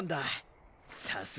さすがに。